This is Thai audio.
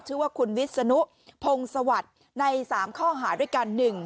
ชื่อว่าคุณวิศนุพงศวรรค์ใน๓ข้อหาด้วยกัน